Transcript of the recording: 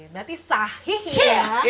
berarti sahih ya